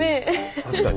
確かに。